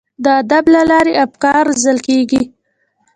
د ادب له لارې افکار روزل کیږي.